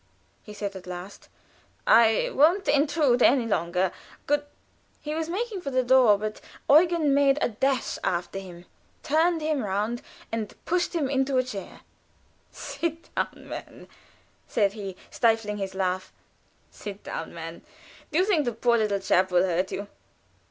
he said, at last, "I won't intrude any longer. Good " He was making for the door, but Eugen made a dash after him, turned him round, and pushed him into a chair. "Sit down, man," said he, stifling his laughter. "Sit down, man; do you think the poor little chap will hurt you?"